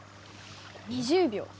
２０秒。